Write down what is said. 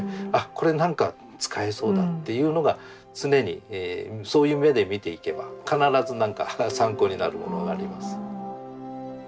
これ何か使えそうだっていうのが常にそういう目で見ていけば必ず何か参考になるものがあります。